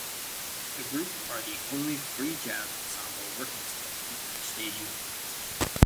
The group are the only free jazz ensemble working today who wear stage uniforms.